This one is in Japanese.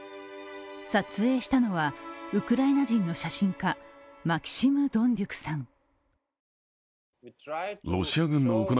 撮影したのはウクライナ人の写真家、マキシム・ドンデュクさん。